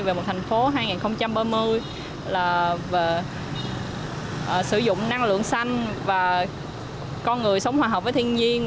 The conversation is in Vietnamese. về một thành phố hai nghìn ba mươi là về sử dụng năng lượng xanh và con người sống hòa hợp với thiên nhiên